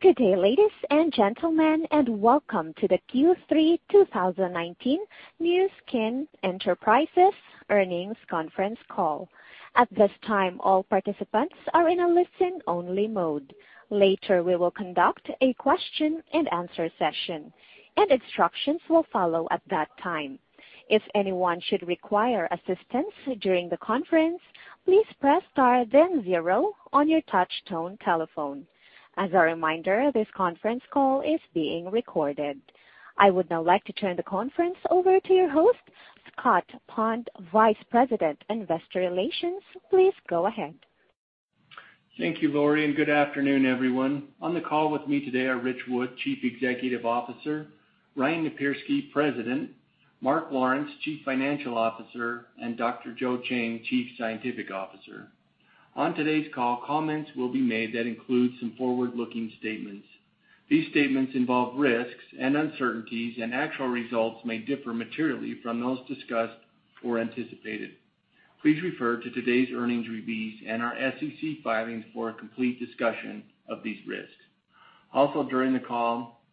Good day, ladies and gentlemen, and welcome to the Q3 2019 Nu Skin Enterprises earnings conference call. At this time, all participants are in a listen-only mode. Later, we will conduct a question and answer session, and instructions will follow at that time. If anyone should require assistance during the conference, please press star then zero on your touchtone telephone. As a reminder, this conference call is being recorded. I would now like to turn the conference over to your host, Scott Pond, Vice President, Investor Relations. Please go ahead. Thank you, Lori, and good afternoon, everyone. On the call with me today are Ritch Wood, Chief Executive Officer, Ryan Napierski, President, Mark Lawrence, Chief Financial Officer, and Dr. Joseph Chang, Chief Scientific Officer. On today's call, comments will be made that include some forward-looking statements. These statements involve risks and uncertainties, and actual results may differ materially from those discussed or anticipated. Please refer to today's earnings release and our SEC filings for a complete discussion of these risks. Also, during the call,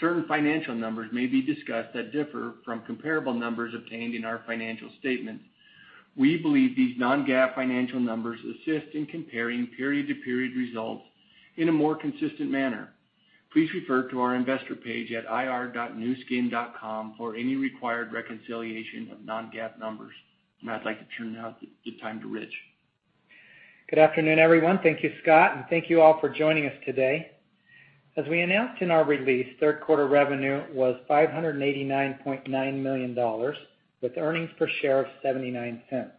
certain financial numbers may be discussed that differ from comparable numbers obtained in our financial statements. We believe these non-GAAP financial numbers assist in comparing period-to-period results in a more consistent manner. Please refer to our investor page at ir.nuskin.com for any required reconciliation of non-GAAP numbers. I'd like to turn now the time to Ritch. Good afternoon, everyone. Thank you, Scott, and thank you all for joining us today. As we announced in our release, third quarter revenue was $589.9 million, with earnings per share of $0.79.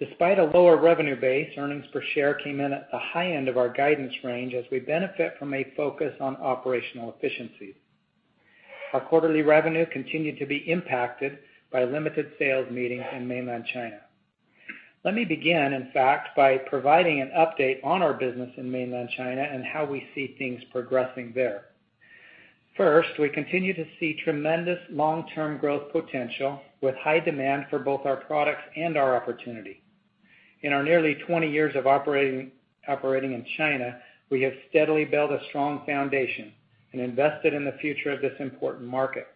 Despite a lower revenue base, earnings per share came in at the high end of our guidance range as we benefit from a focus on operational efficiency. Our quarterly revenue continued to be impacted by limited sales meetings in Mainland China. Let me begin, in fact, by providing an update on our business in Mainland China and how we see things progressing there. We continue to see tremendous long-term growth potential with high demand for both our products and our opportunity. In our nearly 20 years of operating in China, we have steadily built a strong foundation and invested in the future of this important market.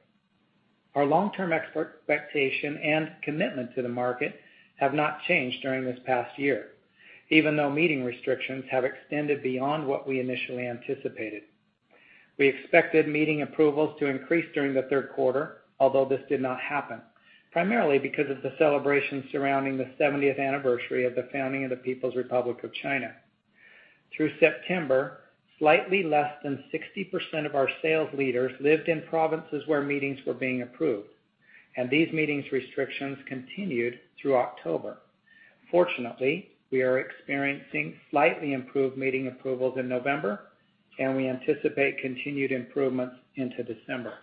Our long-term expectation and commitment to the market have not changed during this past year, even though meeting restrictions have extended beyond what we initially anticipated. We expected meeting approvals to increase during the third quarter, although this did not happen, primarily because of the celebration surrounding the 70th anniversary of the founding of the People's Republic of China. Through September, slightly less than 60% of our sales leaders lived in provinces where meetings were being approved, and these meetings restrictions continued through October. Fortunately, we are experiencing slightly improved meeting approvals in November, and we anticipate continued improvements into December.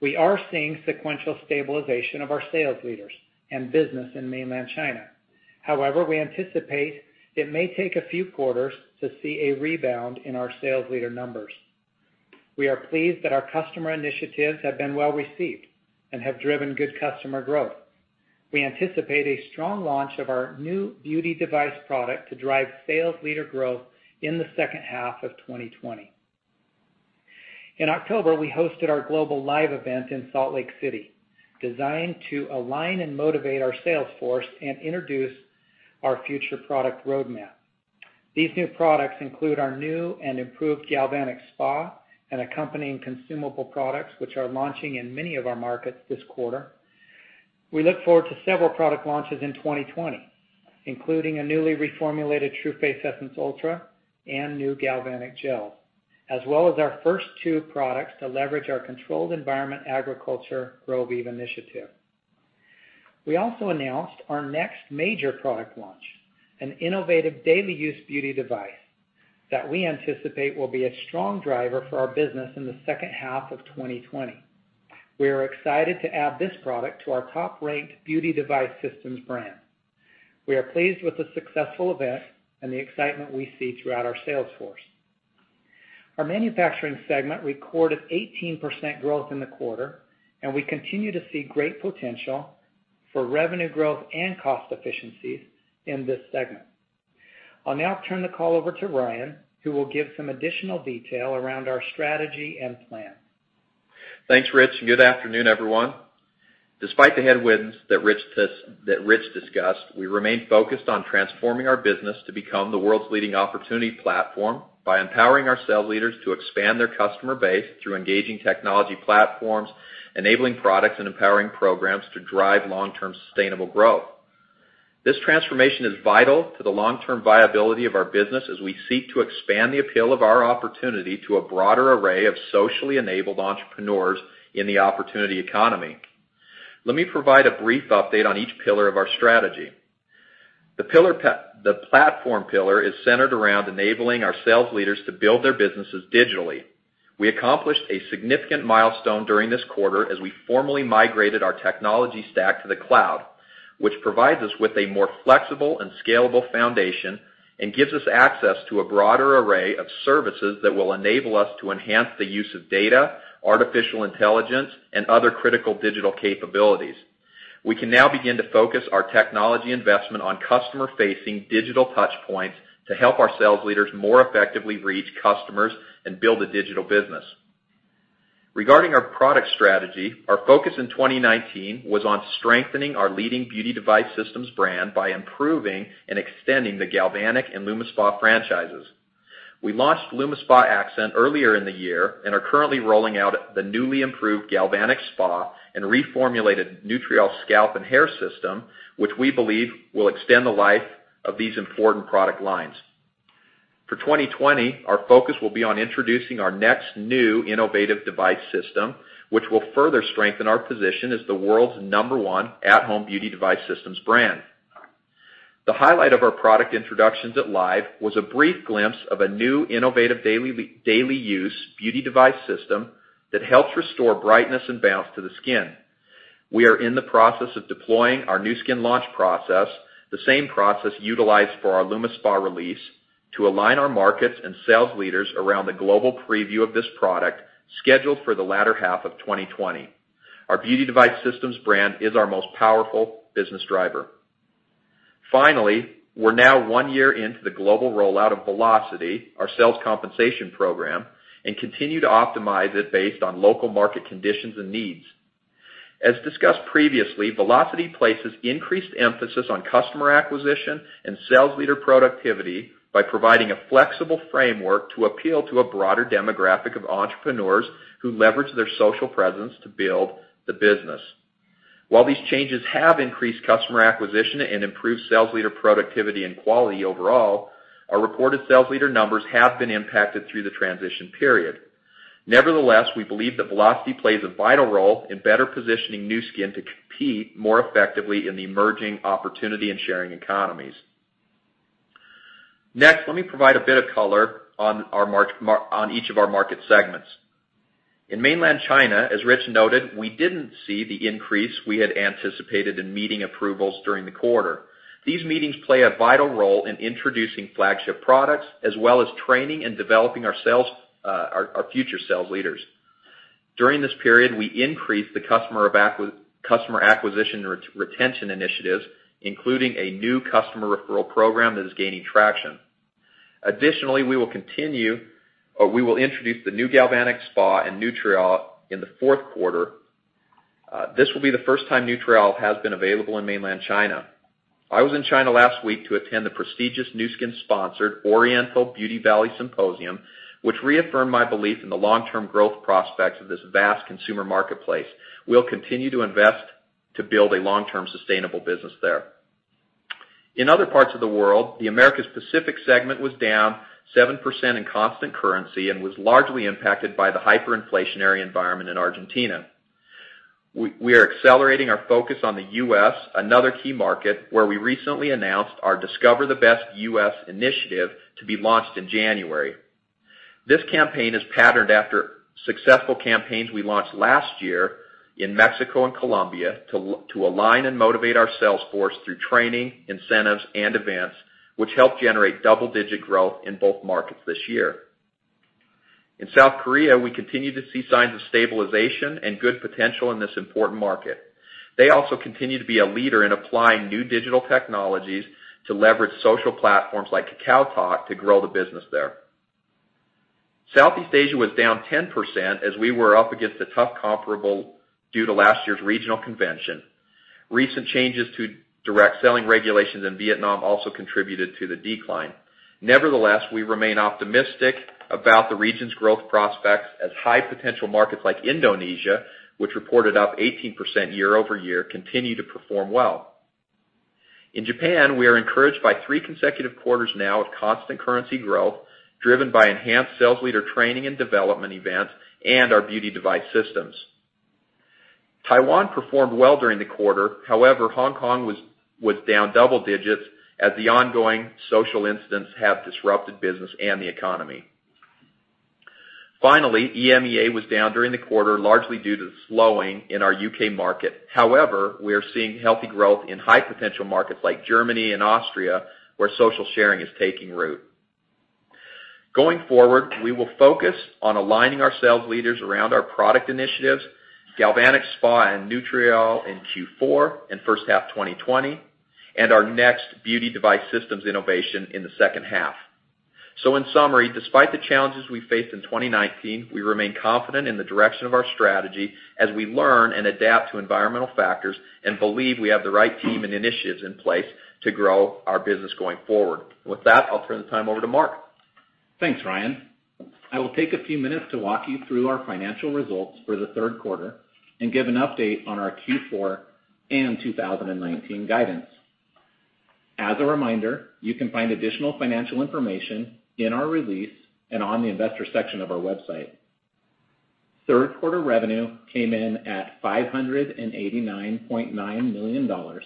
We are seeing sequential stabilization of our sales leaders and business in Mainland China. However, we anticipate it may take a few quarters to see a rebound in our sales leader numbers. We are pleased that our customer initiatives have been well-received and have driven good customer growth. We anticipate a strong launch of our new beauty device product to drive sales leader growth in the second half of 2020. In October, we hosted our global LIVE! event in Salt Lake City, designed to align and motivate our sales force and introduce our future product roadmap. These new products include our new and improved Galvanic Spa and accompanying consumable products, which are launching in many of our markets this quarter. We look forward to several product launches in 2020, including a newly reformulated Tru Face Essence Ultra and new Galvanic gel, as well as our first two products to leverage our controlled environment agriculture Groviv initiative. We also announced our next major product launch, an innovative daily use beauty device that we anticipate will be a strong driver for our business in the second half of 2020. We are excited to add this product to our top-ranked beauty device systems brand. We are pleased with the successful event and the excitement we see throughout our sales force. Our manufacturing segment recorded 18% growth in the quarter, and we continue to see great potential for revenue growth and cost efficiencies in this segment. I'll now turn the call over to Ryan, who will give some additional detail around our strategy and plan. Thanks, Ritch. Good afternoon, everyone. Despite the headwinds that Ritch discussed, we remain focused on transforming our business to become the world's leading opportunity platform by empowering our sales leaders to expand their customer base through engaging technology platforms, enabling products, and empowering programs to drive long-term sustainable growth. This transformation is vital to the long-term viability of our business as we seek to expand the appeal of our opportunity to a broader array of socially enabled entrepreneurs in the opportunity economy. Let me provide a brief update on each pillar of our strategy. The platform pillar is centered around enabling our sales leaders to build their businesses digitally. We accomplished a significant milestone during this quarter as we formally migrated our technology stack to the cloud, which provides us with a more flexible and scalable foundation and gives us access to a broader array of services that will enable us to enhance the use of data, artificial intelligence, and other critical digital capabilities. We can now begin to focus our technology investment on customer-facing digital touchpoints to help our sales leaders more effectively reach customers and build a digital business. Regarding our product strategy, our focus in 2019 was on strengthening our leading beauty device systems brand by improving and extending the Galvanic and LumiSpa franchises. We launched ageLOC LumiSpa Accent earlier in the year and are currently rolling out the newly improved Galvanic Spa and reformulated Nutriol scalp and hair system, which we believe will extend the life of these important product lines. For 2020, our focus will be on introducing our next new innovative device system, which will further strengthen our position as the world's number one at-home beauty device systems brand. The highlight of our product introductions at Nu Skin LIVE! was a brief glimpse of a new innovative daily use beauty device system that helps restore brightness and bounce to the skin. We are in the process of deploying our Nu Skin launch process, the same process utilized for our ageLOC LumiSpa release, to align our markets and sales leaders around the global preview of this product scheduled for the latter half of 2020. Our beauty device systems brand is our most powerful business driver. Finally, we're now one year into the global rollout of Velocity, our sales compensation program, and continue to optimize it based on local market conditions and needs. As discussed previously, Velocity places increased emphasis on customer acquisition and sales leader productivity by providing a flexible framework to appeal to a broader demographic of entrepreneurs who leverage their social presence to build the business. While these changes have increased customer acquisition and improved sales leader productivity and quality overall, our reported sales leader numbers have been impacted through the transition period. Nevertheless, we believe that Velocity plays a vital role in better positioning Nu Skin to compete more effectively in the emerging opportunity and sharing economies. Let me provide a bit of color on each of our market segments. In mainland China, as Ritch noted, we didn't see the increase we had anticipated in meeting approvals during the quarter. These meetings play a vital role in introducing flagship products, as well as training and developing our future sales leaders. During this period, we increased the customer acquisition retention initiatives, including a new customer referral program that is gaining traction. Additionally, we will introduce the new Galvanic Spa and Nutriol in the fourth quarter. This will be the first time Nutriol has been available in mainland China. I was in China last week to attend the prestigious Nu Skin-sponsored Oriental Beauty Valley Symposium, which reaffirmed my belief in the long-term growth prospects of this vast consumer marketplace. We'll continue to invest to build a long-term sustainable business there. In other parts of the world, the Americas Pacific segment was down 7% in constant currency and was largely impacted by the hyperinflationary environment in Argentina. We are accelerating our focus on the U.S., another key market, where we recently announced our Discover the Best You initiative to be launched in January. This campaign is patterned after successful campaigns we launched last year in Mexico and Colombia to align and motivate our sales force through training, incentives, and events, which helped generate double-digit growth in both markets this year. In South Korea, we continue to see signs of stabilization and good potential in this important market. They also continue to be a leader in applying new digital technologies to leverage social platforms like KakaoTalk to grow the business there. Southeast Asia was down 10% as we were up against a tough comparable due to last year's regional convention. Recent changes to direct selling regulations in Vietnam also contributed to the decline. Nevertheless, we remain optimistic about the region's growth prospects as high-potential markets like Indonesia, which reported up 18% year-over-year, continue to perform well. In Japan, we are encouraged by three consecutive quarters now of constant currency growth, driven by enhanced sales leader training and development events and our beauty device systems. Taiwan performed well during the quarter, Hong Kong was down double digits as the ongoing social incidents have disrupted business and the economy. EMEA was down during the quarter, largely due to the slowing in our U.K. market. We are seeing healthy growth in high-potential markets like Germany and Austria, where social sharing is taking root. Going forward, we will focus on aligning our sales leaders around our product initiatives, Galvanic Spa and Nutriol in Q4 and first half 2020, and our next beauty device systems innovation in the second half. In summary, despite the challenges we faced in 2019, we remain confident in the direction of our strategy as we learn and adapt to environmental factors and believe we have the right team and initiatives in place to grow our business going forward. With that, I'll turn the time over to Mark. Thanks, Ryan. I will take a few minutes to walk you through our financial results for the third quarter and give an update on our Q4 and 2019 guidance. As a reminder, you can find additional financial information in our release and on the investor section of our website. Third quarter revenue came in at $589.9 million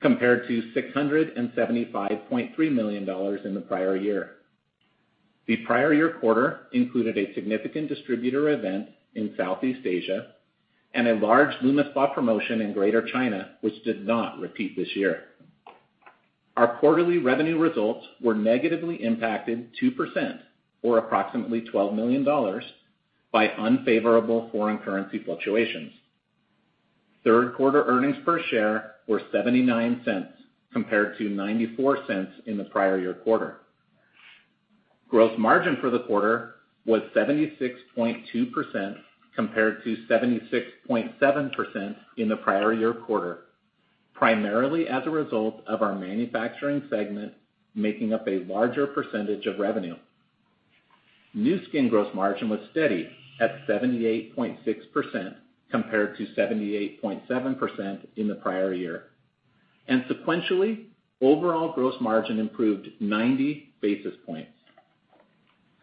compared to $675.3 million in the prior year. The prior year quarter included a significant distributor event in Southeast Asia and a large LumiSpa promotion in Greater China, which did not repeat this year. Our quarterly revenue results were negatively impacted 2%, or approximately $12 million, by unfavorable foreign currency fluctuations. Third quarter earnings per share were $0.79 compared to $0.94 in the prior year quarter. Gross margin for the quarter was 76.2% compared to 76.7% in the prior year quarter, primarily as a result of our manufacturing segment making up a larger percentage of revenue. Nu Skin gross margin was steady at 78.6% compared to 78.7% in the prior year. Sequentially, overall gross margin improved 90 basis points.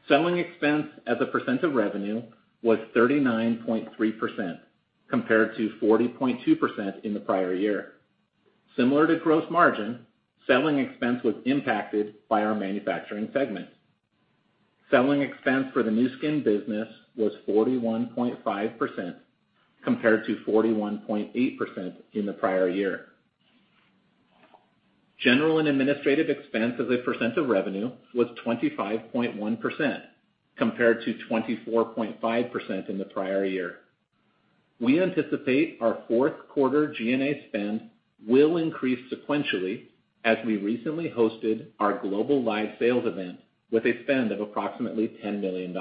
Selling expense as a percent of revenue was 39.3% compared to 40.2% in the prior year. Similar to gross margin, selling expense was impacted by our manufacturing segment. Selling expense for the Nu Skin business was 41.5% compared to 41.8% in the prior year. General and administrative expense as a percent of revenue was 25.1% compared to 24.5% in the prior year. We anticipate our fourth quarter G&A spend will increase sequentially as we recently hosted our global live sales event with a spend of approximately $10 million.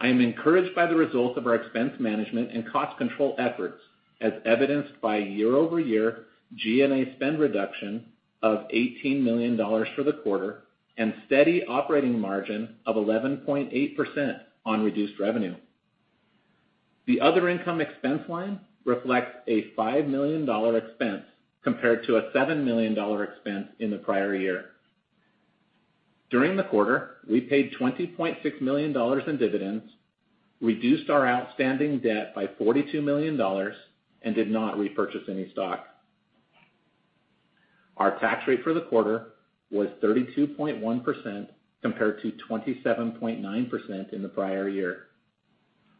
I am encouraged by the results of our expense-management and cost-control efforts, as evidenced by year-over-year G&A spend reduction of $18 million for the quarter and steady operating margin of 11.8% on reduced revenue. The other income expense line reflects a $5 million expense compared to a $7 million expense in the prior year. During the quarter, we paid $20.6 million in dividends, reduced our outstanding debt by $42 million, and did not repurchase any stock. Our tax rate for the quarter was 32.1% compared to 27.9% in the prior year.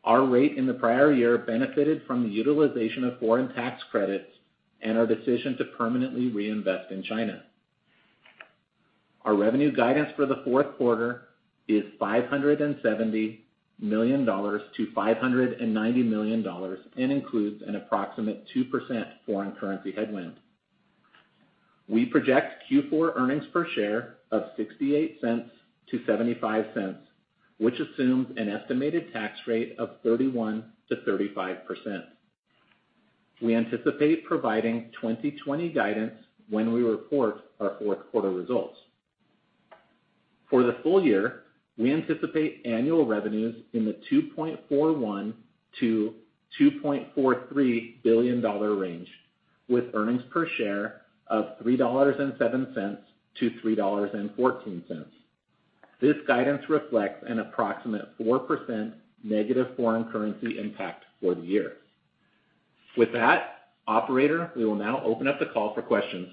Our rate in the prior year benefited from the utilization of foreign tax credits and our decision to permanently reinvest in China. Our revenue guidance for the fourth quarter is $570 million-$590 million and includes an approximate 2% foreign currency headwind. We project Q4 earnings per share of $0.68-$0.75, which assumes an estimated tax rate of 31%-35%. We anticipate providing 2020 guidance when we report our fourth quarter results. For the full year, we anticipate annual revenues in the $2.41 billion-$2.43 billion range, with earnings per share of $3.07-$3.14. This guidance reflects an approximate 4% negative foreign currency impact for the year. With that, operator, we will now open up the call for questions.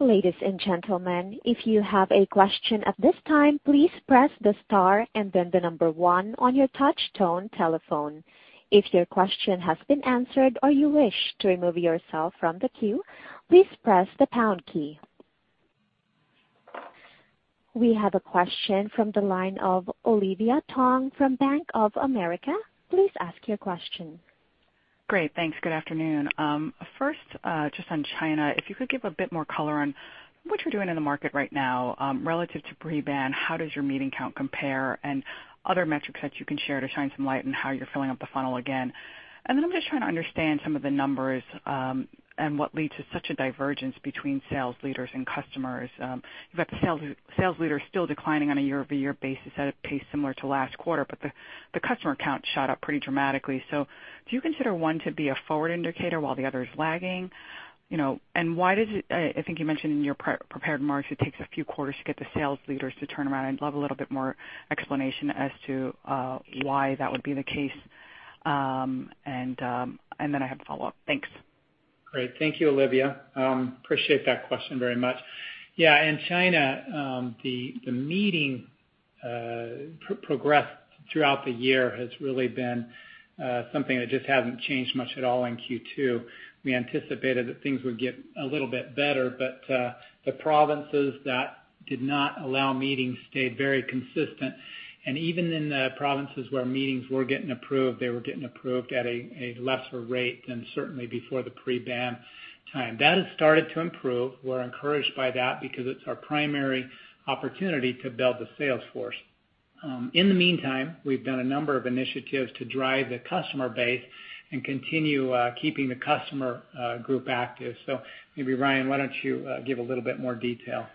Ladies and gentlemen, if you have a question at this time, please press the star and then the number one on your touch tone telephone. If your question has been answered, or you wish to remove yourself from the queue, please press the pound key. We have a question from the line of Olivia Tong from Bank of America. Please ask your question. Great. Thanks. Good afternoon. First, just on China, if you could give a bit more color on what you're doing in the market right now relative to pre-ban, how does your meeting count compare and other metrics that you can share to shine some light on how you're filling up the funnel again? I'm just trying to understand some of the numbers and what leads to such a divergence between sales leaders and customers. You've got the sales leaders still declining on a year-over-year basis at a pace similar to last quarter, but the customer count shot up pretty dramatically. Do you consider one to be a forward indicator while the other is lagging? I think you mentioned in your prepared remarks it takes a few quarters to get the sales leaders to turn around. I'd love a little bit more explanation as to why that would be the case, and then I have a follow-up. Thanks. Great. Thank you, Olivia. Appreciate that question very much. Yeah, in China, the meeting progress throughout the year has really been something that just hasn't changed much at all in Q2. We anticipated that things would get a little bit better, but the provinces that did not allow meetings stayed very consistent, and even in the provinces where meetings were getting approved, they were getting approved at a lesser rate than certainly before the pre-ban time. That has started to improve. We're encouraged by that because it's our primary opportunity to build the sales force. In the meantime, we've done a number of initiatives to drive the customer base and continue keeping the customer group active. Maybe, Ryan, why don't you give a little bit more detail?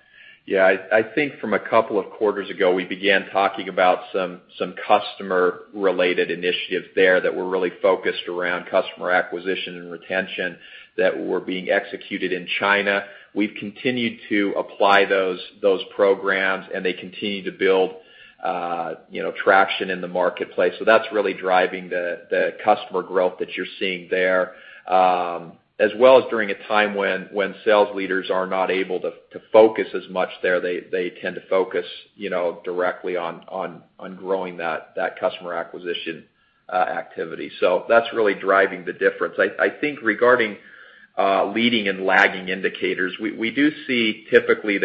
Yeah, I think from a couple of quarters ago, we began talking about some customer-related initiatives there that were really focused around customer acquisition and retention that were being executed in China. We've continued to apply those programs, and they continue to build traction in the marketplace. That's really driving the customer growth that you're seeing there, as well as during a time when sales leaders are not able to focus as much there, they tend to focus directly on growing that customer acquisition activity. That's really driving the difference. I think regarding leading and lagging indicators. We do see typically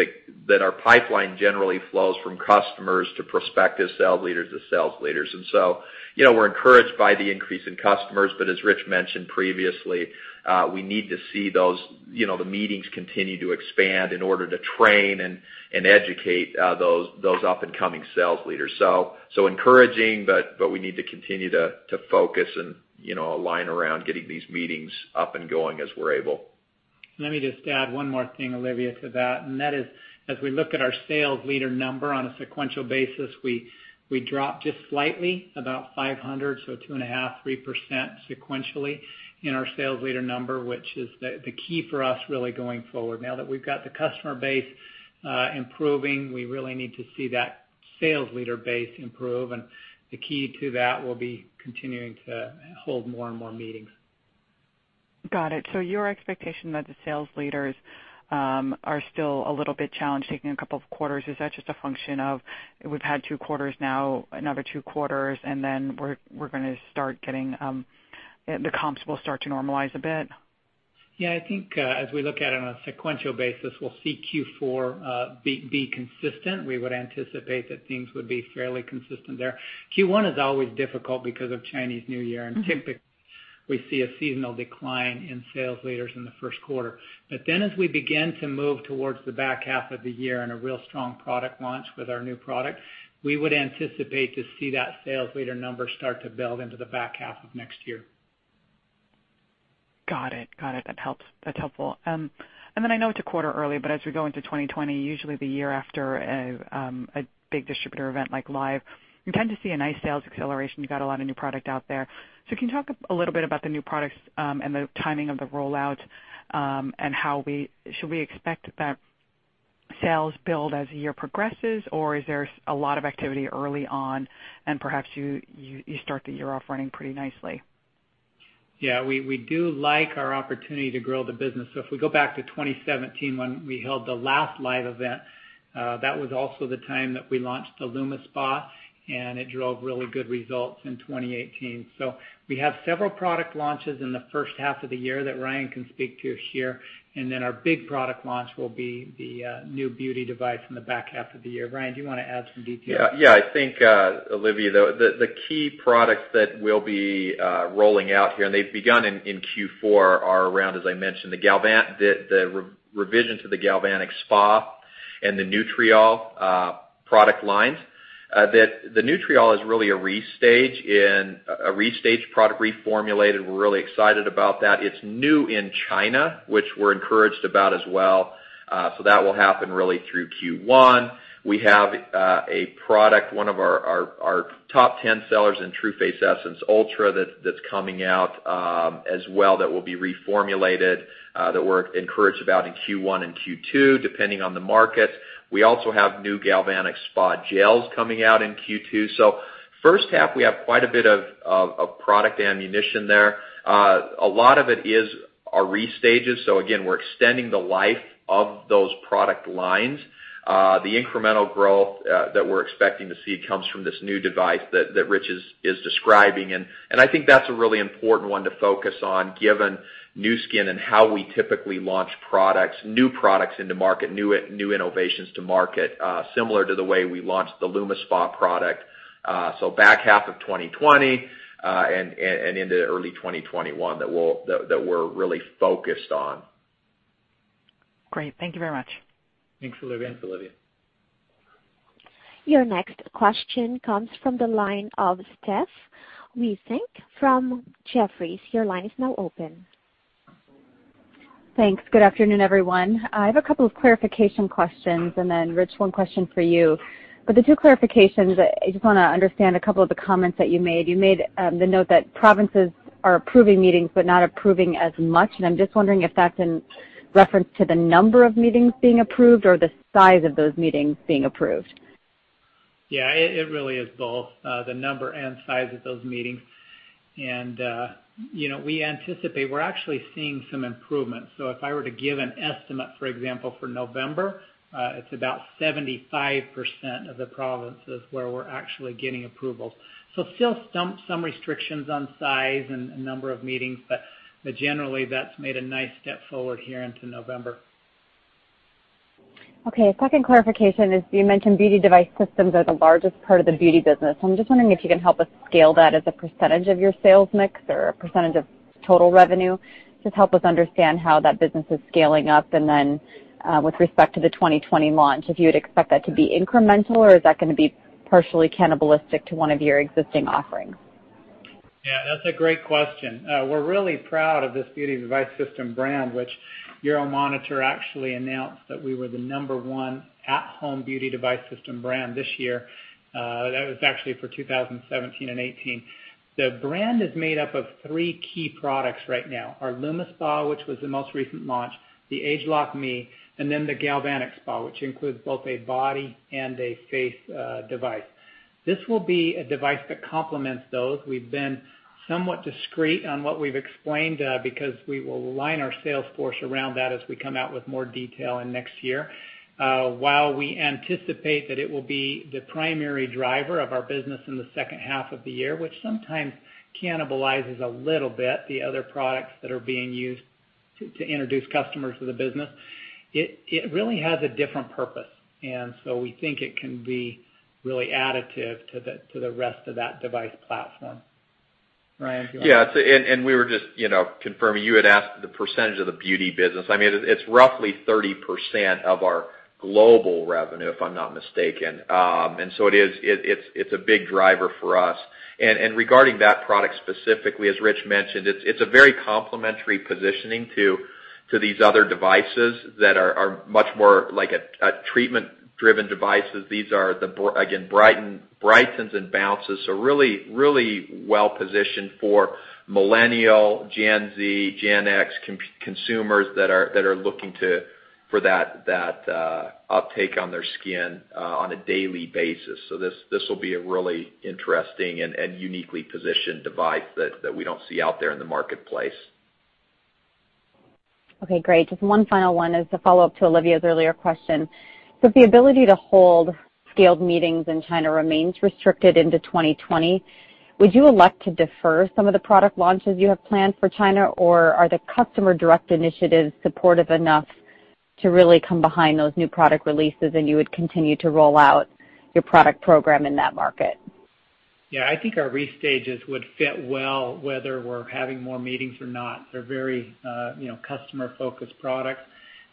that our pipeline generally flows from customers to prospective sales leaders to sales leaders. We're encouraged by the increase in customers, but as Ritch mentioned previously, we need to see the meetings continue to expand in order to train and educate those up-and-coming sales leaders. Encouraging, but we need to continue to focus and align around getting these meetings up and going as we're able. Let me just add one more thing, Olivia, to that, and that is, as we look at our sales leader number on a sequential basis, we drop just slightly, about 500, so 2.5%, 3% sequentially in our sales leader number, which is the key for us really going forward. Now that we've got the customer base improving, we really need to see that sales leader base improve, and the key to that will be continuing to hold more and more meetings. Got it. Your expectation that the sales leaders are still a little bit challenged, taking a couple of quarters, is that just a function of, we've had two quarters now, another two quarters, and then the comps will start to normalize a bit? I think as we look at it on a sequential basis, we'll see Q4 be consistent. We would anticipate that things would be fairly consistent there. Q1 is always difficult because of Chinese New Year, typically we see a seasonal decline in sales leaders in the first quarter. As we begin to move towards the back half of the year and a real strong product launch with our new product, we would anticipate to see that sales leader number start to build into the back half of next year. Got it. That's helpful. Then I know it's a quarter early, but as we go into 2020, usually the year after a big distributor event like Nu Skin LIVE!, you tend to see a nice sales acceleration. You got a lot of new product out there. Can you talk a little bit about the new products and the timing of the rollout? Should we expect that sales build as the year progresses, or is there a lot of activity early on and perhaps you start the year off running pretty nicely? Yeah, we do like our opportunity to grow the business. If we go back to 2017 when we held the last LIVE event, that was also the time that we launched the LumiSpa, and it drove really good results in 2018. We have several product launches in the first half of the year that Ryan can speak to here, and then our big product launch will be the new beauty device in the back half of the year. Ryan, do you want to add some details? Yeah. I think, Olivia, the key products that we'll be rolling out here, and they've begun in Q4, are around, as I mentioned, the revision to the Galvanic Spa and the Nutriol product lines. The Nutriol is really a restage product, reformulated. We're really excited about that. It's new in China, which we're encouraged about as well. That will happen really through Q1. We have a product, one of our top 10 sellers in Tru Face Essence Ultra, that's coming out as well, that will be reformulated, that we're encouraged about in Q1 and Q2, depending on the market. We also have new Galvanic Spa gels coming out in Q2. First half, we have quite a bit of product ammunition there. A lot of it are restages, so again, we're extending the life of those product lines. The incremental growth that we're expecting to see comes from this new device that Ritch is describing, and I think that's a really important one to focus on given Nu Skin and how we typically launch new products into market, new innovations to market, similar to the way we launched the LumiSpa product. Back half of 2020, and into early 2021, that we're really focused on. Great. Thank you very much. Thanks, Olivia. Thanks, Olivia. Your next question comes from the line of Stephanie Wissink from Jefferies. Your line is now open. Thanks. Good afternoon, everyone. I have a couple of clarification questions, and then Ritch, one question for you. The two clarifications, I just want to understand a couple of the comments that you made. You made the note that provinces are approving meetings, but not approving as much, and I'm just wondering if that's in reference to the number of meetings being approved or the size of those meetings being approved. Yeah, it really is both, the number and size of those meetings. We're actually seeing some improvement. If I were to give an estimate, for example, for November, it's about 75% of the provinces where we're actually getting approvals. Still some restrictions on size and number of meetings, but generally, that's made a nice step forward here into November. Okay. Second clarification is you mentioned beauty device systems are the largest part of the beauty business. I'm just wondering if you can help us scale that as a percentage of your sales mix or a percentage of total revenue. Help us understand how that business is scaling up, with respect to the 2020 launch, if you would expect that to be incremental, or is that going to be partially cannibalistic to one of your existing offerings? Yeah, that's a great question. We're really proud of this beauty device system brand, which Euromonitor actually announced that we were the number one at-home beauty device system brand this year. That was actually for 2017 and 2018. The brand is made up of three key products right now. Our LumiSpa, which was the most recent launch, the ageLOC Me, and then the Galvanic Spa, which includes both a body and a face device. This will be a device that complements those. We've been somewhat discreet on what we've explained, because we will align our sales force around that as we come out with more detail in next year. While we anticipate that it will be the primary driver of our business in the second half of the year, which sometimes cannibalizes a little bit the other products that are being used to introduce customers to the business, it really has a different purpose. We think it can be really additive to the rest of that device platform. Ryan, do you want to- Yes. We were just confirming, you had asked the percentage of the beauty business. It's roughly 30% of our global revenue, if I'm not mistaken. It's a big driver for us. Regarding that product specifically, as Ritch mentioned, it's a very complementary positioning to these other devices that are much more like treatment-driven devices. These are the, again, brightens and bounces, so really well-positioned for millennial, Gen Z, Gen X consumers that are looking for that uptake on their skin on a daily basis. This will be a really interesting and uniquely positioned device that we don't see out there in the marketplace. Okay, great. Just one final one as a follow-up to Olivia's earlier question. If the ability to hold scaled meetings in China remains restricted into 2020, would you elect to defer some of the product launches you have planned for China, or are the customer direct initiatives supportive enough to really come behind those new product releases, and you would continue to roll out your product program in that market? Yeah, I think our restages would fit well, whether we're having more meetings or not. They're very customer-focused products,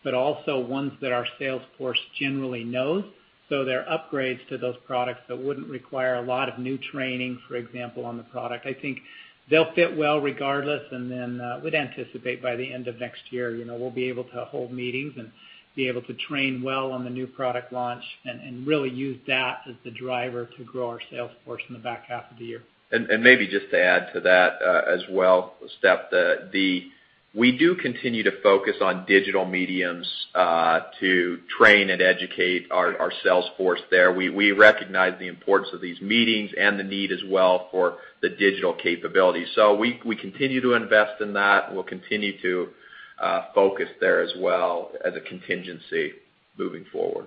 but also ones that our sales force generally knows. They're upgrades to those products that wouldn't require a lot of new training, for example, on the product. I think they'll fit well regardless. We'd anticipate by the end of next year, we'll be able to hold meetings and be able to train well on the new product launch and really use that as the driver to grow our sales force in the back half of the year. Maybe just to add to that as well, Steph, we do continue to focus on digital mediums to train and educate our sales force there. We recognize the importance of these meetings and the need as well for the digital capabilities. We continue to invest in that, and we'll continue to focus there as well as a contingency moving forward.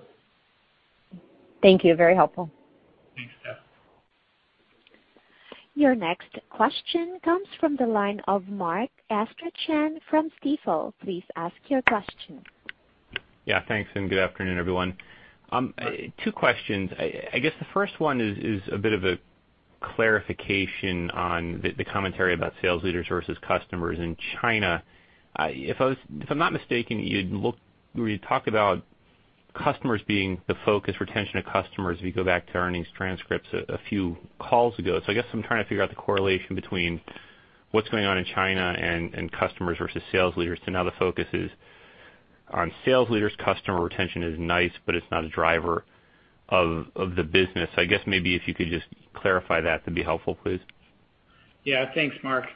Thank you. Very helpful. Thanks, Steph. Your next question comes from the line of Mark Astrachan from Stifel. Please ask your question. Yeah, thanks, and good afternoon, everyone. Two questions. I guess the first one is a bit of a clarification on the commentary about sales leader versus customers in China. If I'm not mistaken, you had talked about customers being the focus, retention of customers, if you go back to earnings transcripts a few calls ago. I guess I'm trying to figure out the correlation between what's going on in China and customers versus sales leaders. Now the focus is on sales leaders. Customer retention is nice, but it's not a driver of the business. I guess maybe if you could just clarify that'd be helpful, please. Yeah. Thanks, Mark.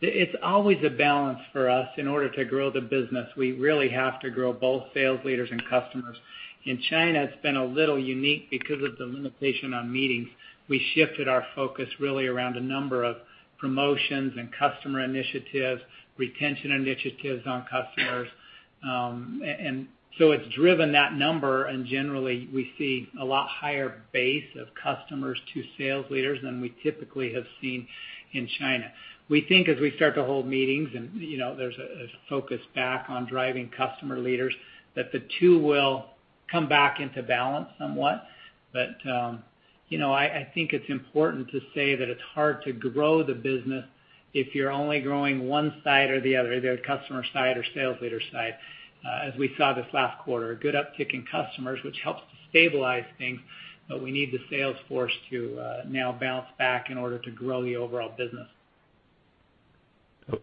It's always a balance for us. In order to grow the business, we really have to grow both sales leaders and customers. In China, it's been a little unique because of the limitation on meetings. We shifted our focus really around a number of promotions and customer initiatives, retention initiatives on customers. It's driven that number, and generally, we see a lot higher base of customers to sales leaders than we typically have seen in China. We think as we start to hold meetings, and there's a focus back on driving customer leaders, that the two will come back into balance somewhat. I think it's important to say that it's hard to grow the business if you're only growing one side or the other, either customer side or sales leader side, as we saw this last quarter. Good uptick in customers, which helps to stabilize things. We need the sales force to now bounce back in order to grow the overall business.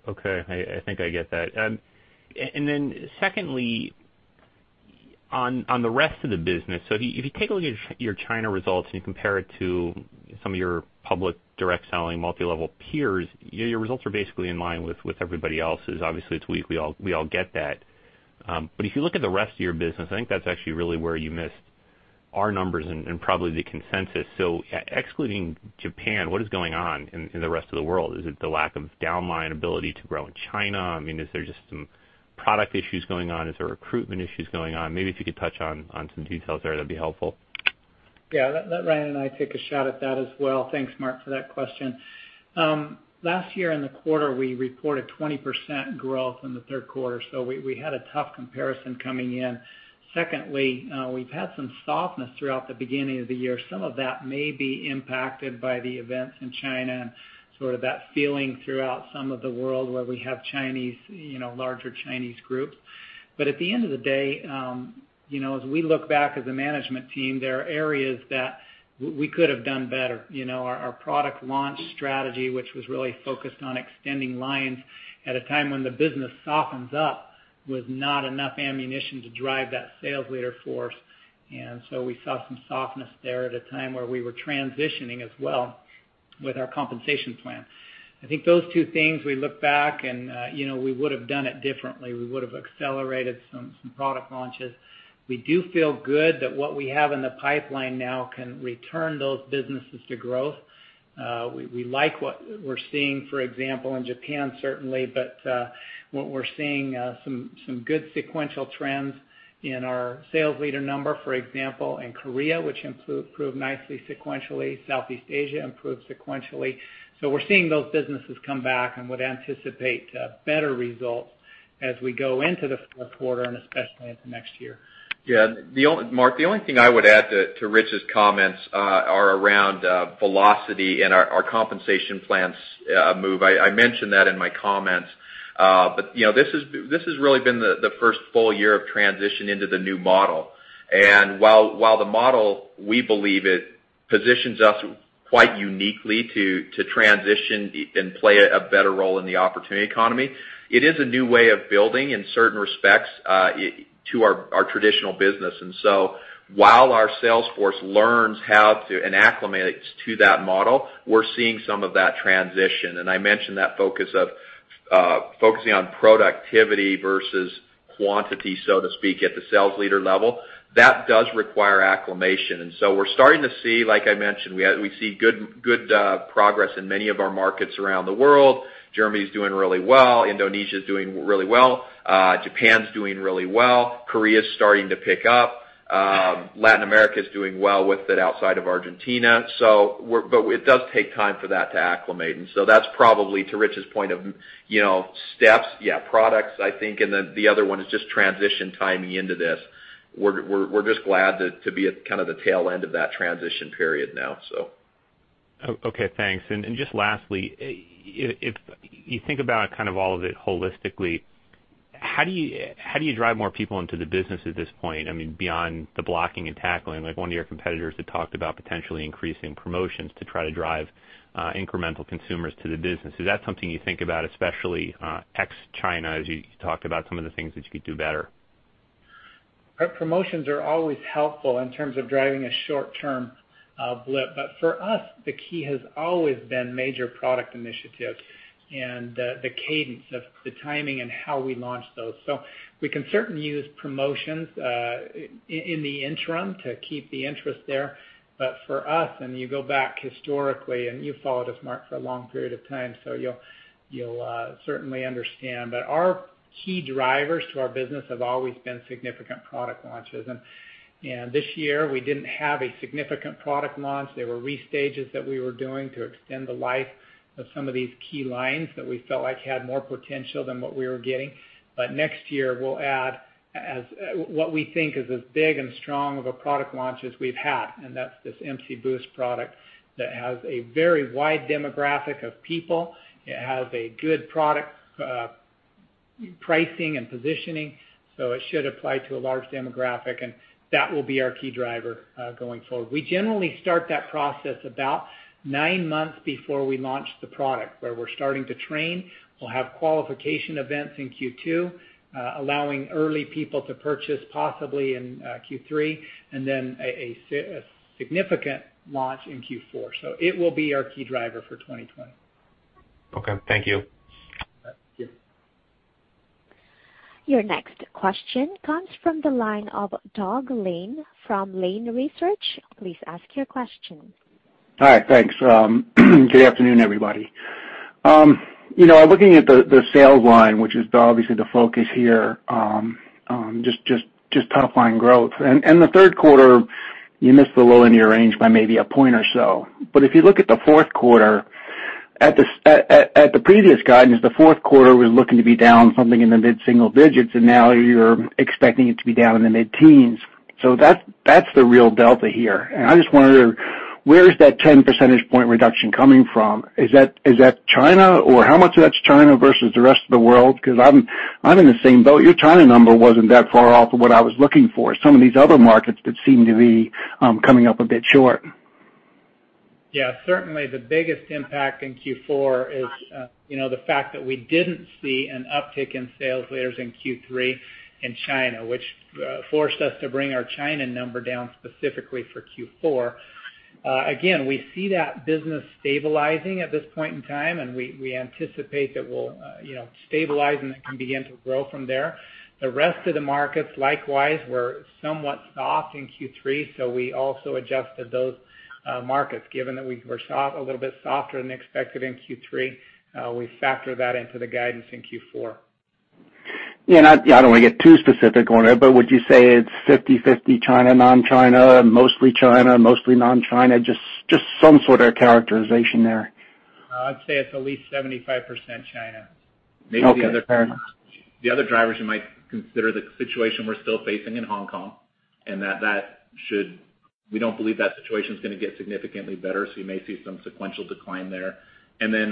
Okay. I think I get that. Then secondly, on the rest of the business, if you take a look at your China results and you compare it to some of your public direct selling multilevel peers, your results are basically in line with everybody else's. Obviously, it's weak. We all get that. If you look at the rest of your business, I think that's actually really where you missed our numbers and probably the consensus. Excluding Japan, what is going on in the rest of the world? Is it the lack of downline ability to grow in China? Is there just some product issues going on? Is there recruitment issues going on? If you could touch on some details there, that would be helpful. Yeah. Let Ryan and I take a shot at that as well. Thanks, Mark, for that question. Last year in the quarter, we reported 20% growth in the third quarter. We had a tough comparison coming in. Secondly, we've had some softness throughout the beginning of the year. Some of that may be impacted by the events in China and sort of that feeling throughout some of the world where we have larger Chinese groups. At the end of the day, as we look back as a management team, there are areas that we could have done better. Our product launch strategy, which was really focused on extending lines at a time when the business softens up, was not enough ammunition to drive that sales leader force. We saw some softness there at a time where we were transitioning as well with our compensation plan. I think those two things, we look back, and we would have done it differently. We would have accelerated some product launches. We do feel good that what we have in the pipeline now can return those businesses to growth. We like what we're seeing, for example, in Japan, certainly, but what we're seeing some good sequential trends in our sales leader number, for example, in Korea, which improved nicely sequentially, Southeast Asia improved sequentially. We're seeing those businesses come back and would anticipate better results as we go into the fourth quarter and especially into next year. Yeah. Mark, the only thing I would add to Ritch's comments are around Velocity and our compensation plans move. I mentioned that in my comments. This has really been the first full year of transition into the new model. While the model, we believe it positions us quite uniquely to transition and play a better role in the opportunity economy, it is a new way of building in certain respects, to our traditional business. While our sales force learns how to, and acclimates to that model, we're seeing some of that transition. I mentioned that focusing on productivity versus quantity, so to speak, at the sales leader level. That does require acclimation. We're starting to see, like I mentioned, we see good progress in many of our markets around the world. Germany's doing really well. Indonesia's doing really well. Japan's doing really well. Korea's starting to pick up. Latin America's doing well with it outside of Argentina. It does take time for that to acclimate. That's probably, to Ritch's point of steps, yeah, products, I think, and then the other one is just transition timing into this. We're just glad to be at kind of the tail end of that transition period now. Okay, thanks. Just lastly, if you think about kind of all of it holistically, how do you drive more people into the business at this point? I mean, beyond the blocking and tackling, like one of your competitors had talked about potentially increasing promotions to try to drive incremental consumers to the business. Is that something you think about, especially ex-China, as you talked about some of the things that you could do better? Promotions are always helpful in terms of driving a short-term blip. For us, the key has always been major product initiatives and the cadence of the timing and how we launch those. We can certainly use promotions in the interim to keep the interest there. For us, and you go back historically, and you've followed us, Mark, for a long period of time, so you'll certainly understand. Our key drivers to our business have always been significant product launches. This year, we didn't have a significant product launch. There were restages that we were doing to extend the life of some of these key lines that we felt like had more potential than what we were getting. Next year, we'll add as what we think is as big and strong of a product launch as we've had, and that's this ageLOC Boost product that has a very wide demographic of people. It has a good product pricing and positioning, so it should apply to a large demographic, and that will be our key driver, going forward. We generally start that process about nine months before we launch the product, where we're starting to train. We'll have qualification events in Q2, allowing early people to purchase possibly in Q3, and then a significant launch in Q4. It will be our key driver for 2020. Okay. Thank you. Yeah. Your next question comes from the line of Douglas Lane from Lane Research. Please ask your question. Hi, thanks. Good afternoon, everybody. Looking at the sales line, which is obviously the focus here, just top line growth. In the third quarter, you missed the low end of your range by maybe a point or so. If you look at the fourth quarter, at the previous guidance, the fourth quarter was looking to be down something in the mid-single digits, and now you're expecting it to be down in the mid-teens. That's the real delta here. I just wonder, where is that 10 percentage point reduction coming from? Is that China or how much of that's China versus the rest of the world? I'm in the same boat. Your China number wasn't that far off of what I was looking for. Some of these other markets that seem to be coming up a bit short. Yeah, certainly the biggest impact in Q4 is the fact that we didn't see an uptick in sales leaders in Q3 in China, which forced us to bring our China number down specifically for Q4. Again, we see that business stabilizing at this point in time, and we anticipate that we'll stabilize and it can begin to grow from there. The rest of the markets, likewise, were somewhat soft in Q3, so we also adjusted those markets. Given that we were a little bit softer than expected in Q3, we factor that into the guidance in Q4. Yeah, I don't want to get too specific on it, but would you say it's 50/50 China, non-China, mostly China, mostly non-China? Just some sort of characterization there. I'd say it's at least 75% China. Okay. Maybe the other drivers you might consider the situation we're still facing in Hong Kong, and that we don't believe that situation's going to get significantly better, so you may see some sequential decline there.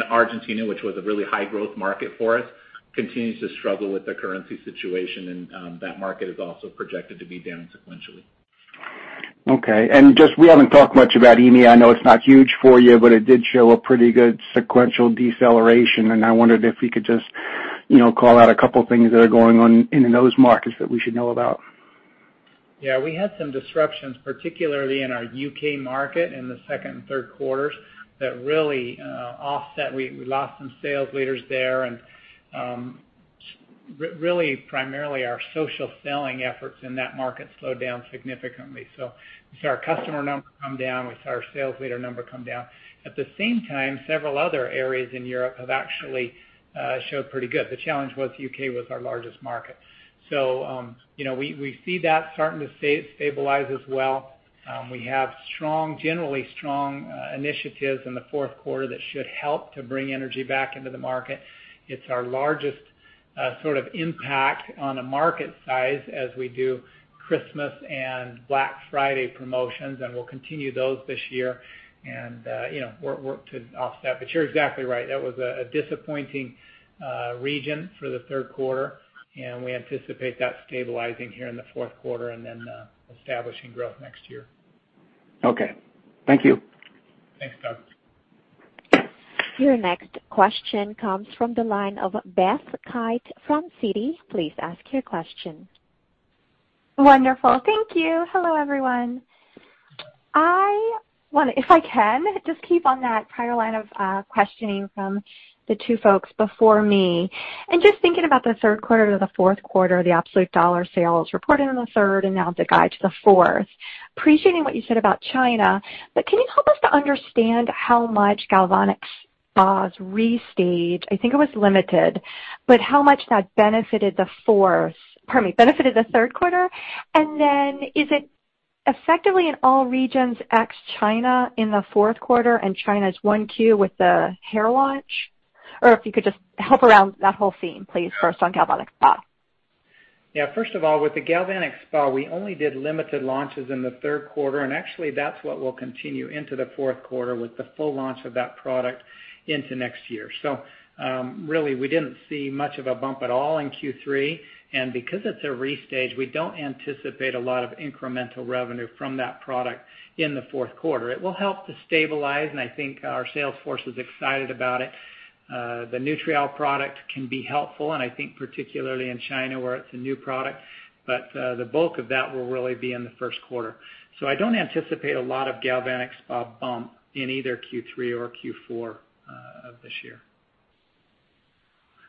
Argentina, which was a really high growth market for us, continues to struggle with the currency situation, and that market is also projected to be down sequentially. Okay. Just, we haven't talked much about EMEA. I know it's not huge for you, but it did show a pretty good sequential deceleration, and I wondered if we could just call out a couple things that are going on in those markets that we should know about? Yeah, we had some disruptions, particularly in our U.K. market in the second and third quarters that really offset. We lost some sales leaders there and, really primarily our social selling efforts in that market slowed down significantly. We saw our customer number come down. We saw our sales leader number come down. At the same time, several other areas in Europe have actually showed pretty good. The challenge was U.K. was our largest market. We see that starting to stabilize as well. We have generally strong initiatives in the fourth quarter that should help to bring energy back into the market. It's our largest sort of impact on a market size as we do Christmas and Black Friday promotions, and we'll continue those this year and work to offset. You're exactly right. That was a disappointing region for the third quarter, and we anticipate that stabilizing here in the fourth quarter and then establishing growth next year. Okay. Thank you. Thanks, Doug. Your next question comes from the line of Beth Kite from Citi. Please ask your question. Wonderful. Thank you. Hello, everyone. I want to, if I can, just keep on that prior line of questioning from the two folks before me and just thinking about the third quarter to the fourth quarter, the absolute dollar sales reported on the third and now the guide to the fourth. Appreciating what you said about China, can you help us to understand how much Galvanic Spas restage, I think it was limited, but how much that benefited the third quarter? Is it effectively in all regions ex-China in the fourth quarter and China's one Q with the hair launch? If you could just help around that whole theme, please, first on Galvanic Spa. Yeah. First of all, with the Galvanic Spa, we only did limited launches in the third quarter, and actually that's what we'll continue into the fourth quarter with the full launch of that product into next year. Really, we didn't see much of a bump at all in Q3. Because it's a restage, we don't anticipate a lot of incremental revenue from that product in the fourth quarter. It will help to stabilize, and I think our sales force is excited about it. The Nutriol product can be helpful, and I think particularly in China where it's a new product, but the bulk of that will really be in the first quarter. I don't anticipate a lot of Galvanic Spa bump in either Q3 or Q4 of this year.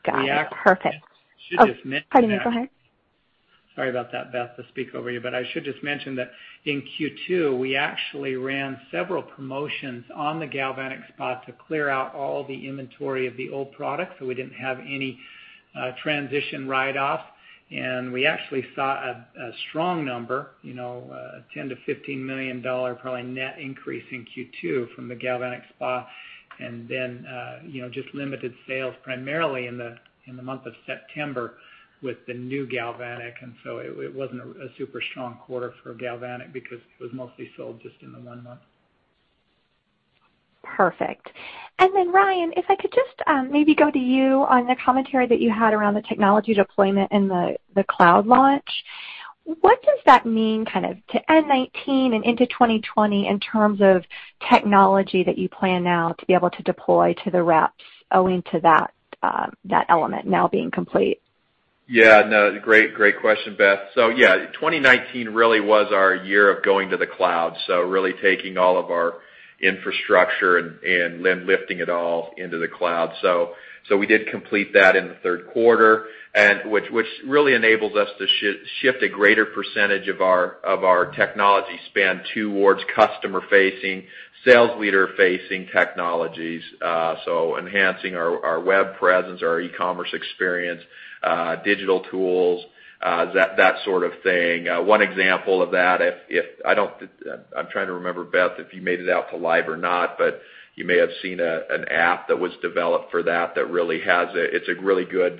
Got it. Perfect. I should just mention that- Pardon me. Go ahead. Sorry about that, Beth, to speak over you. I should just mention that in Q2, we actually ran several promotions on the Galvanic Spa to clear out all the inventory of the old product. We didn't have any transition write-off. We actually saw a strong number, $10 million to $15 million probably net increase in Q2 from the Galvanic Spa. Just limited sales primarily in the month of September with the new Galvanic. It wasn't a super strong quarter for Galvanic because it was mostly sold just in the one month. Perfect. Ryan, if I could just maybe go to you on the commentary that you had around the technology deployment and the cloud launch. What does that mean kind of to end 2019 and into 2020 in terms of technology that you plan now to be able to deploy to the reps owing to that element now being complete? Yeah, no. Great question, Beth. Yeah, 2019 really was our year of going to the cloud, really taking all of our infrastructure and then lifting it all into the cloud. We did complete that in the third quarter, which really enables us to shift a greater percentage of our technology spend towards customer facing, sales leader facing technologies. Enhancing our web presence, our e-commerce experience, digital tools, that sort of thing. One example of that, I'm trying to remember, Beth, if you made it out to Nu Skin LIVE! or not, you may have seen an app that was developed for that, it's a really good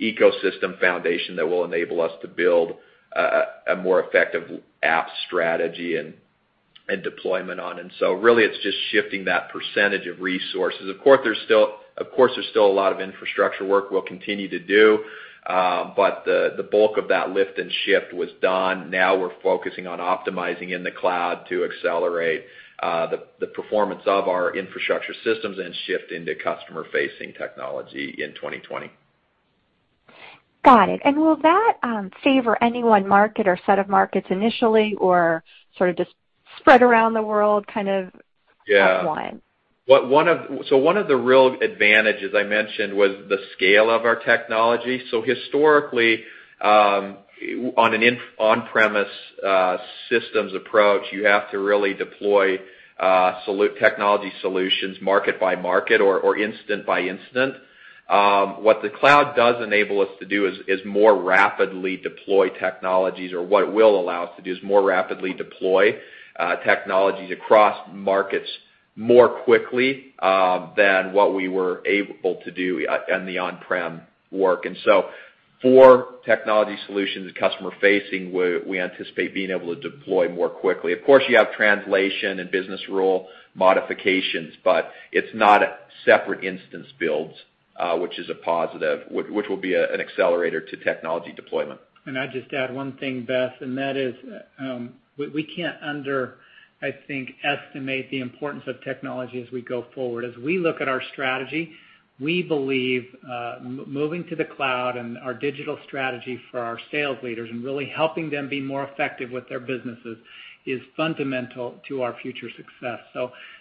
ecosystem foundation that will enable us to build a more effective app strategy and deployment on. Really it's just shifting that percentage of resources. Of course, there's still a lot of infrastructure work we'll continue to do. The bulk of that lift and shift was done. Now we're focusing on optimizing in the cloud to accelerate the performance of our infrastructure systems and shift into customer-facing technology in 2020. Got it. Will that favor any one market or set of markets initially, or sort of just spread around the world kind of? Yeah at once? One of the real advantages I mentioned was the scale of our technology. Historically, on an on-premise systems approach, you have to really deploy technology solutions market by market or instance by instance. What the cloud does enable us to do is more rapidly deploy technologies, or what it will allow us to do is more rapidly deploy technologies across markets more quickly than what we were able to do on the on-prem work. For technology solutions customer facing, we anticipate being able to deploy more quickly. Of course, you have translation and business rule modifications, but it's not separate instance builds, which is a positive, which will be an accelerator to technology deployment. Can I just add one thing, Beth, and that is, we can't underestimate the importance of technology as we go forward. As we look at our strategy, we believe, moving to the cloud and our digital strategy for our sales leaders and really helping them be more effective with their businesses is fundamental to our future success.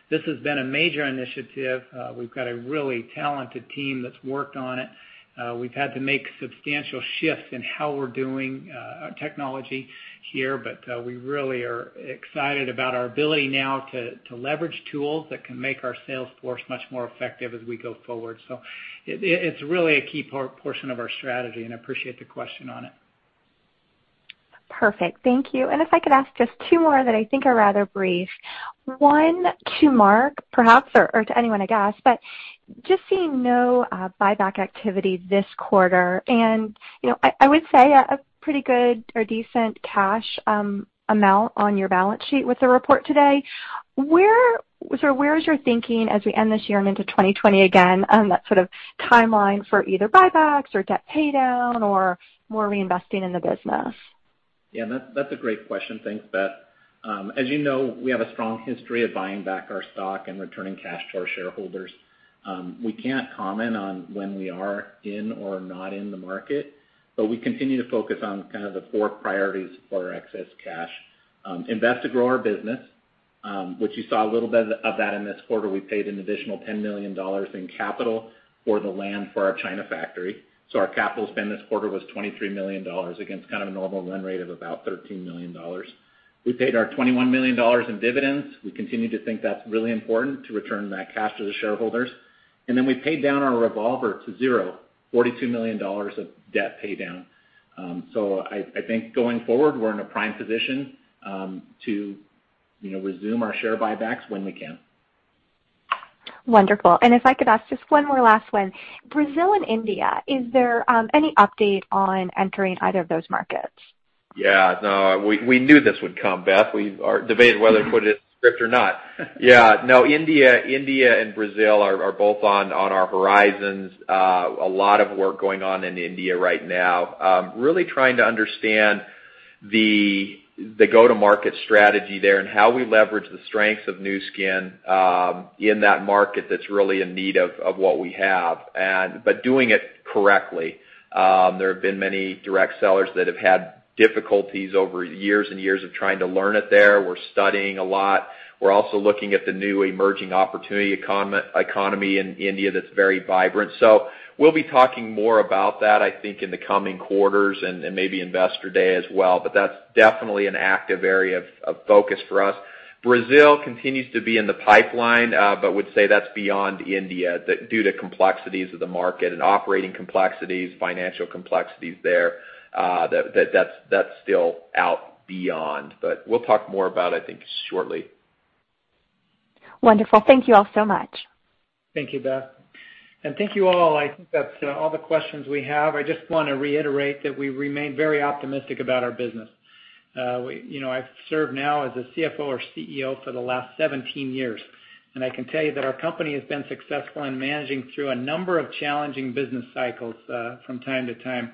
This has been a major initiative. We've got a really talented team that's worked on it. We've had to make substantial shifts in how we're doing our technology here, but we really are excited about our ability now to leverage tools that can make our sales force much more effective as we go forward. It's really a key portion of our strategy, and I appreciate the question on it. Perfect. Thank you. If I could ask just two more that I think are rather brief. One to Mark Lawrence, perhaps, or to anyone, I guess, just seeing no buyback activity this quarter, I would say a pretty good or decent cash amount on your balance sheet with the report today. Where is your thinking as we end this year and into 2020 again on that sort of timeline for either buybacks or debt paydown or more reinvesting in the business? Yeah, that's a great question. Thanks, Beth. As you know, we have a strong history of buying back our stock and returning cash to our shareholders. We can't comment on when we are in or not in the market, but we continue to focus on kind of the four priorities for our excess cash. Invest to grow our business, which you saw a little bit of that in this quarter. We paid an additional $10 million in capital for the land for our China factory. Our capital spend this quarter was $23 million against kind of a normal run rate of about $13 million. We paid our $21 million in dividends. We continue to think that's really important to return that cash to the shareholders. Then we paid down our revolver to zero, $42 million of debt paydown. I think going forward, we're in a prime position to resume our share buybacks when we can. Wonderful. If I could ask just one more last one. Brazil and India, is there any update on entering either of those markets? We knew this would come, Beth. We debated whether to put it in the script or not. India and Brazil are both on our horizons. A lot of work going on in India right now. Really trying to understand the go-to-market strategy there and how we leverage the strength of Nu Skin in that market that's really in need of what we have, but doing it correctly. There have been many direct sellers that have had difficulties over years and years of trying to learn it there. We're studying a lot. We're also looking at the new emerging opportunity economy in India that's very vibrant. We'll be talking more about that, I think, in the coming quarters and maybe Investor Day as well. That's definitely an active area of focus for us. Brazil continues to be in the pipeline, but would say that's beyond India due to complexities of the market and operating complexities, financial complexities there, that's still out beyond, but we'll talk more about it, I think, shortly. Wonderful. Thank you all so much. Thank you, Beth. Thank you all. I think that's all the questions we have. I just want to reiterate that we remain very optimistic about our business. I've served now as a CFO or CEO for the last 17 years, and I can tell you that our company has been successful in managing through a number of challenging business cycles from time to time.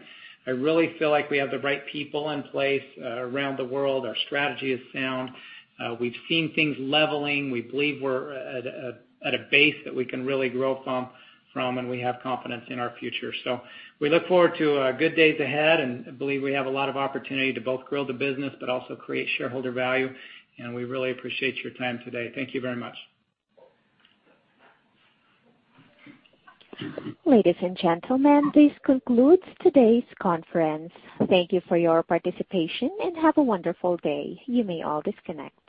I really feel like we have the right people in place around the world. Our strategy is sound. We've seen things leveling. We believe we're at a base that we can really grow from, and we have confidence in our future. We look forward to good days ahead, and I believe we have a lot of opportunity to both grow the business but also create shareholder value, and we really appreciate your time today. Thank you very much. Ladies and gentlemen, this concludes today's conference. Thank you for your participation, and have a wonderful day. You may all disconnect.